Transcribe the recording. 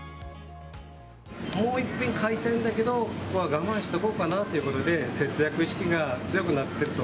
もう一品買いたいんだけど、ここは我慢しておこうかなということで、節約意識が強くなっていると。